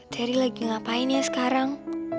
dari lagi ngapain ya sekarang